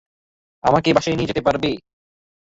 আমাকে বাসায় নিয়ে যেতে পারবে?